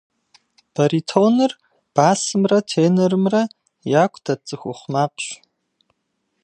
Баритоныр басымрэ тенорымрэ яку дэт цӏыхухъу макъщ.